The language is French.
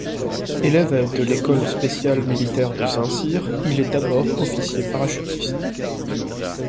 Élève de l'École spéciale militaire de Saint-Cyr, il est d'abord officier parachutiste.